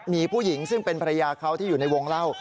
มีผู้หญิงซึ่งเป็นภรรยาเขาที่อยู่ในวงเล่า